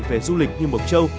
về du lịch như mục châu